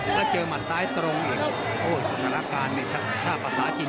แล้วเจอมัดซ้ายตรงเองโอ้ยสนารการณ์ในช่างภาพภาษาจีน